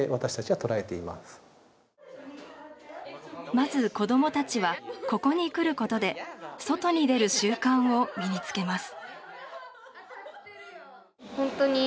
まず、子供たちはここに来ることで外に出る習慣を身に付けます。